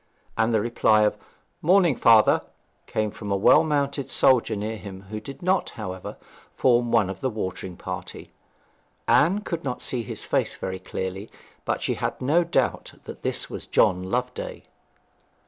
And the reply of 'Morning, father,' came from a well mounted soldier near him, who did not, however, form one of the watering party. Anne could not see his face very clearly, but she had no doubt that this was John Loveday.